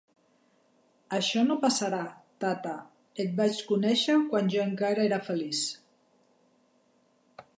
Això no passarà, Tata, et vaig conèixer quan jo encara era feliç!